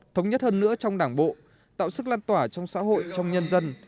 thống nhất hơn nữa trong đảng bộ tạo sức lan tỏa trong xã hội trong nhân dân